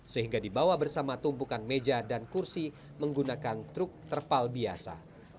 sehingga dibawa bersama tumpukan meja dan kursi menggunakan truk terpal biasa